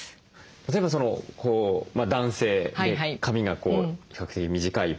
例えば男性で髪が比較的短い場合ですね